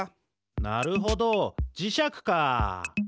なるほどじしゃくかあ。